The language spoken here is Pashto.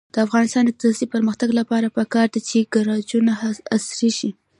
د افغانستان د اقتصادي پرمختګ لپاره پکار ده چې ګراجونه عصري شي.